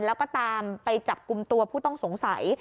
แล้วก็ตามไปจับกลุ่มตัวผู้ต้องสงสัย